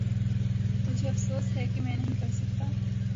مجھے افسوس ہے میں نہیں کر سکتا۔